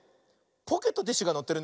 ポケットティッシュがのってるね。